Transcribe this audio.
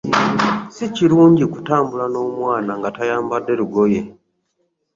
Si kirungu okutambula n'omwana nga tayambadde lugoye.